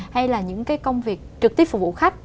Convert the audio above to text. hay là những cái công việc trực tiếp phục vụ khách